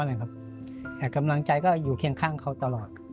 โดยเวลาอยู่ข้างเขาตลอด